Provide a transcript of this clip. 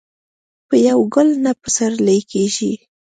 په يو ګل نه پسرلی کيږي.